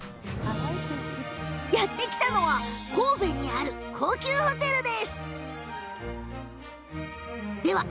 やって来たのは、神戸にある高級ホテルでございます。